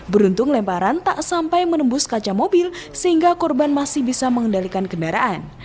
beruntung lemparan tak sampai menembus kaca mobil sehingga korban masih bisa mengendalikan kendaraan